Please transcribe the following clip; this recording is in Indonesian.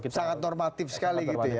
sangat normatif sekali gitu ya